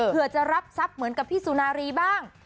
เพื่อจะรับทรัพย์เหมือนกับพี่สุนารีบ้าง